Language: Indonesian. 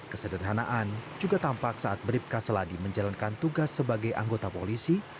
kesederhanaan juga tampak saat beribka seladi menjalankan tugas sebagai anggota polisi